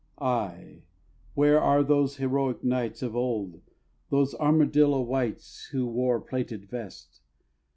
Ay! where are those heroic knights Of old those armadillo wights Who wore the plated vest?